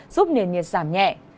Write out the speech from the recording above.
giúp nền nhiệt giảm nhẹ